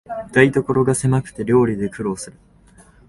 台所がせまくて料理で苦労する